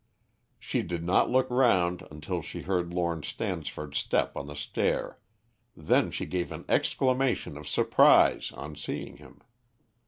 She did not look round until she heard Lord Stansford's step on the stair, then she gave an exclamation of surprise on seeing him.